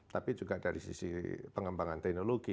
tapi juga dari sisi pengembangan teknologi